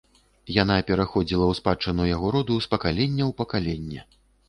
Яна пераходзіла ў спадчыну яго роду з пакалення ў пакаленне.